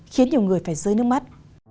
khiến nhiều người phải rơi nước mắt